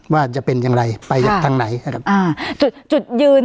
การแสดงความคิดเห็น